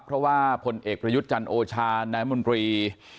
เพราะว่าพลเอกประยุทธ์จันทร์โอชานายมนตรี